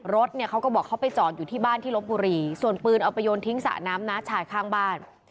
รถเนี่ยเขาก็บอกเขาไปจอดอยู่ที่บ้านที่ลบบุรีส่วนปืนเอาไปโยนทิ้งสระน้ำน้าชายข้างบ้าน